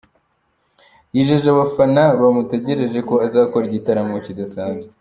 Yijeje abafana bamutegereje ko azakora igitaramo kidasanzwe.